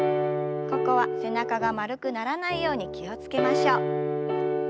ここは背中が丸くならないように気を付けましょう。